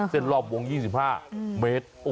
เส้นรอบวง๒๕เมตร